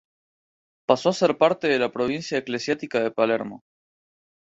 Pasó a ser parte de la provincia eclesiástica de Palermo.